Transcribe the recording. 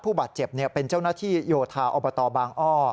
ผู้บาดเจ็บเป็นเจ้าหน้าที่โยธาอบตบางอ้อ